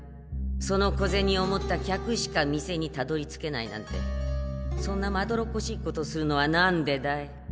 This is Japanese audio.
その小銭を持った客しか店にたどりつけないなんてそんなまどろっこしいことするのはなんでだい？